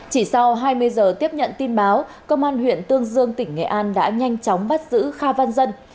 chỉ sau hai mươi giờ tiếp nhận tin báo công an huyện tương dương tỉnh nghệ an đã nhanh chóng bắt giữ kha văn dân